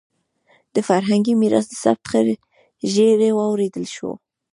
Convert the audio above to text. د فرهنګي میراث د ثبت ښه زېری واورېدل شو.